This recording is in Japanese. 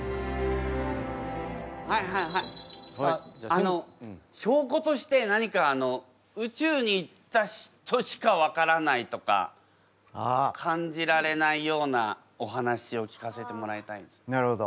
あのしょうことして何か宇宙に行った人しかわからないとか感じられないようなお話を聞かせてもらいたいです。